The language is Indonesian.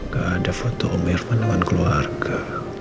gak ada foto umir fanda dengan keluarga